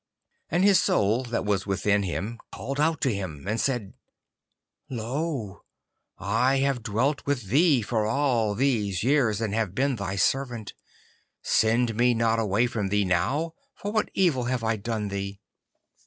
And his Soul that was within him called out to him and said, 'Lo! I have dwelt with thee for all these years, and have been thy servant. Send me not away from thee now, for what evil have I done thee?